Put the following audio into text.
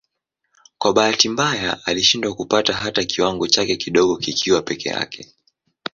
Kwa bahati mbaya alishindwa kupata hata kiwango chake kidogo kikiwa peke yake.